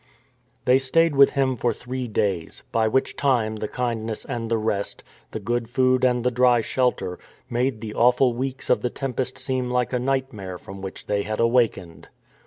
They stayed with him for three days, by which time the kindness and the rest, the good food and the dry shelter, made the awful weeks of the tem pest seem like a nightmare from which they had awakened.